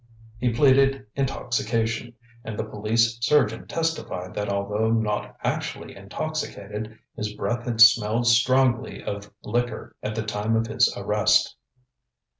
He pleaded intoxication, and the police surgeon testified that although not actually intoxicated, his breath had smelled strongly of liquor at the time of his arrest.